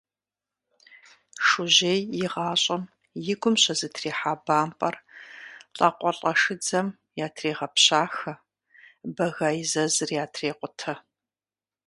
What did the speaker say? Шужьей и гъащӀэм и гум щызэтрихьа бампӀэр лӀакъуэлӀэшыдзэм ятрегъэпщахэ, бэга и зэзыр ятрекъутэ.